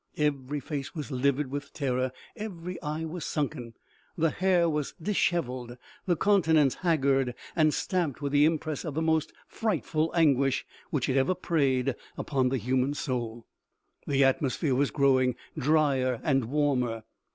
Every face was livid with terror, every eye was sunken ; the hair was dishevelled, the countenance haggard and stamped with the impress of the most frightful anguish which had ever preyed upon the human soul. The atmosphere was growing drier and warmer.